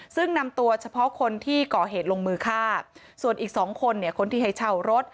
ซึ่งนำตัวเฉพาะคนที่ก่อเหตุลงมือฆ่าส่วนอีกสองคนเนี่ยคนที่ให้เช่ารถ